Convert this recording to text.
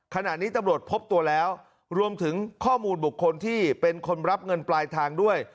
ขณะนี้ตำรวจพบตัวแล้วรวมถึงข้อมูลบุคคลที่เป็นคนรับเงินปลายทางด้วย